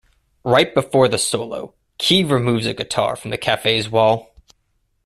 Right before the solo, Kee removes a guitar from the Cafe's wall.